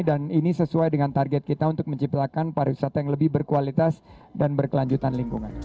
dan ini sesuai dengan target kita untuk menciptakan pariwisata yang lebih berkualitas dan berkelanjutan lingkungan